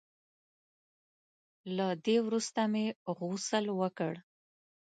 له دې وروسته مې غسل وکړ.